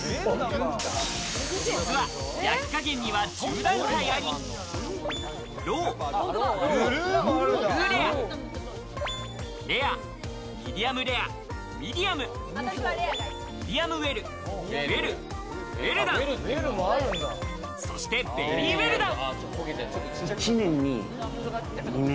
実は焼き加減には１０段階あり、ロー、ブルー、ブルーレア、レア、ミディアムレア、ミディアム、ミディアムウェル、ウェル、ウェルダン、そしてベリーウェルダン。